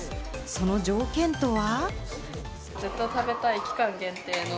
その条件とは？